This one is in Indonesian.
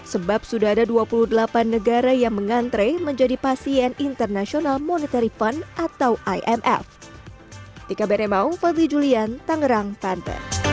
sebab sudah ada dua puluh delapan negara yang mengantre menjadi pasien international monetary fund